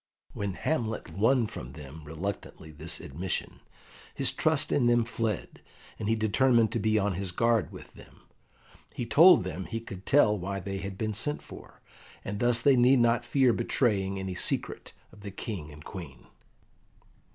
When Hamlet won from them reluctantly this admission, his trust in them fled, and he determined to be on his guard with them. He told them he could tell why they had been sent for, and thus they need not fear betraying any secret of the King and Queen.